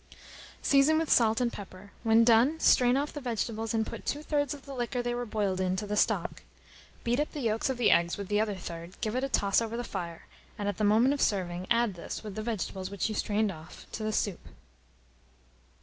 Season with salt and pepper; when done, strain off the vegetables, and put two thirds of the liquor they were boiled in to the stock. Beat up the yolks of the eggs with the other third, give it a toss over the fire, and at the moment of serving, add this, with the vegetables which you strained off, to the soup.